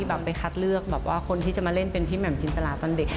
แบบไปคัดเลือกแบบว่าคนที่จะมาเล่นเป็นพี่แหม่มจินตราตอนเด็ก